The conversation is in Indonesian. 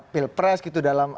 pilpres gitu dalam